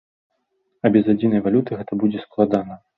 А без адзінай валюты гэта будзе складана.